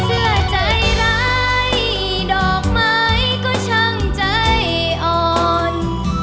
เสื้อใจร้ายดอกไม้ก็ช่างใจอ่อน